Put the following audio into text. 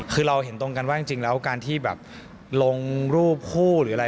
คือเราเห็นตรงกันว่าจริงแล้วการที่แบบลงรูปคู่หรืออะไร